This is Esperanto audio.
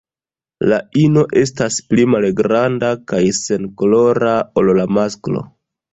La ino estas pli malgranda kaj senkolora ol la masklo.